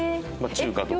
中華とか。